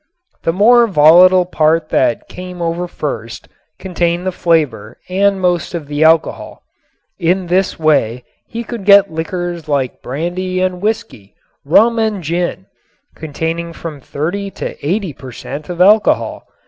The more volatile part that came over first contained the flavor and most of the alcohol. In this way he could get liquors like brandy and whisky, rum and gin, containing from thirty to eighty per cent. of alcohol.